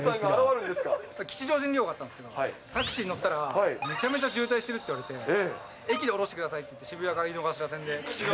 吉祥寺に用があったんですけど、タクシーに乗ったらめちゃめちゃ渋滞してるって言われて、駅で降ろしてくださいって言って、渋谷から井の頭線で。